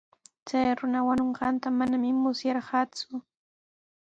Chay runa wañunqanta manami musyarqaaku.